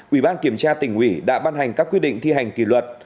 ủy ban kiểm tra tỉnh ủy đã bắt hành các quyết định thi hành kỳ luật